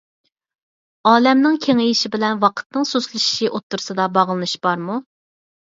ئالەمنىڭ كېڭىيىشى بىلەن ۋاقىتنىڭ سۇسلىشىشى ئوتتۇرىسىدا باغلىنىش بارمۇ؟